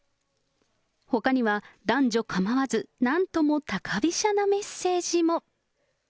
ほかには男女構わず、なんとも高飛車なメッセージも。